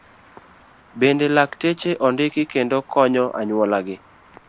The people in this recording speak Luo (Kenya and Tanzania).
Bende, lakteche ondiki kendo konyo anyuola gi.